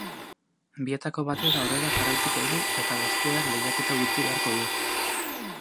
Bietako batek aurrera jarraituko du eta besteak lehiaketa utziko beharko du.